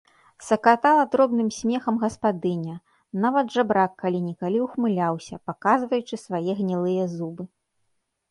Сакатала дробным смехам гаспадыня, нават жабрак калі-нікалі ўхмыляўся, паказваючы свае гнілыя зубы.